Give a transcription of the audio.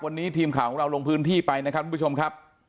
วันนี้ทีมข่าวของเราลงพื้นที่ไปนะครับทุกผู้ชมครับ